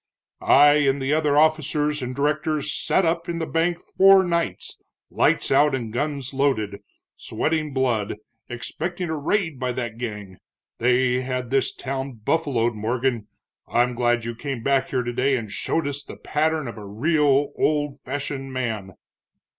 "I and the other officers and directors sat up in the bank four nights, lights out and guns loaded, sweatin' blood, expecting a raid by that gang. They had this town buffaloed, Morgan. I'm glad you came back here today and showed us the pattern of a real, old fashioned man."